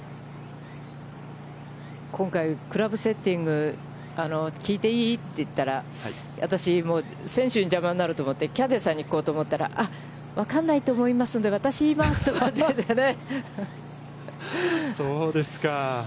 今回クラブセッティング、聞いていい？って言ったら、私、選手の邪魔になると思ってキャディーさんに聞こうと思ったら、分からないと思いますので、私、言いますとかってね。